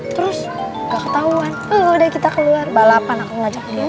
terus gak ketahuan kalau udah kita keluar balapan aku ngajak dia